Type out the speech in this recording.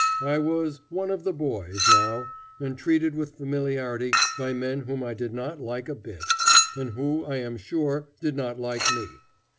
I was "one of the boys" now, and treated with familiarity by men whom I did not like a bit, and who, I am sure, did not like me.